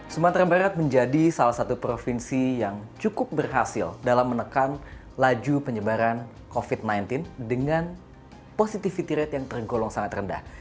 sumatera barat menjadi salah satu provinsi yang cukup berhasil dalam menekan laju penyebaran covid sembilan belas dengan positivity rate yang tergolong sangat rendah